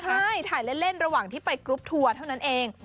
ใช่ถ่ายเล่นระหว่างที่ไปกรุ๊ปทัวร์เท่านั้นเอง